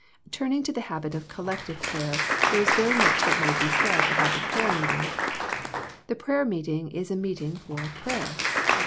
^ Turning to the habit of collective prayer, there is very much that might be said about the prayer meeting. The prayer meeting is a meet ing for prayer.